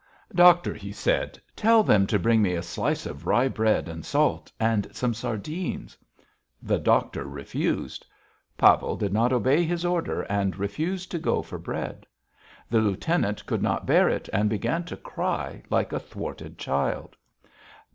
"Doctor," he said, "tell them to bring me a slice of rye bread and salt, and some sardines...." The doctor refused. Pavel did not obey his order and refused to go for bread. The lieutenant could not bear it and began to cry like a thwarted child.